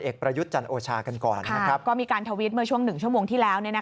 ก็มีการทวิตเมื่อช่วง๑ชั่วโมงที่แล้ว